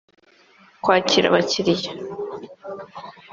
kwakira abakiriya